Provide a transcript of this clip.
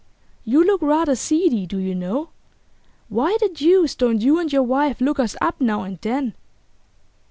'You look rather seedy, do you know. Why the deuce don't you and your wife look us up now and then?